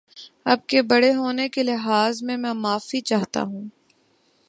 آپ کے بڑے ہونے کے لحاظ سے میں معافی چاہتا ہوں